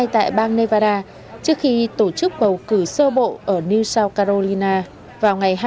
tại bang nevada trước khi tổ chức bầu cử sô bộ ở new south carolina vào ngày hai mươi bốn tháng hai